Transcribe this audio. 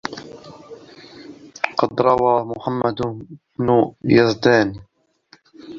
وَقَدْ رَوَى مُحَمَّدُ بْنُ يَزْدَانَ